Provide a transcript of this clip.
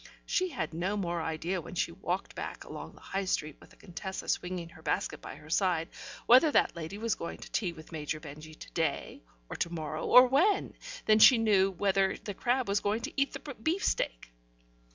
She had no more idea when she walked back along the High Street with the Contessa swinging her basket by her side, whether that lady was going to tea with Major Benjy to day or to morrow or when, than she knew whether the crab was going to eat the beefsteak.